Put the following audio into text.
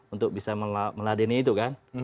untuk bisa meladeni itu kan